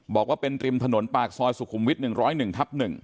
บอกว่าเป็นริมถนนปากซอยสุขุมวิท๑๐๑ทับ๑